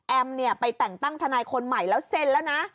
แอมเนี่ยไปแต่งตั้งธนายคนใหม่แล้วเซนแล้วนะ